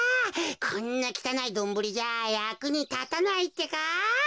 こんなきたないドンブリじゃやくにたたないってか。